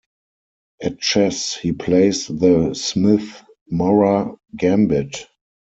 At chess, he plays the Smith-Morra Gambit.